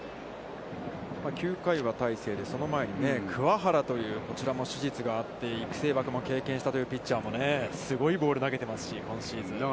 ９回は大勢でその前に鍬原というこちらも手術があって、育成枠も経験したというピッチャーがね、すごいボールを投げてますし、今シーズン。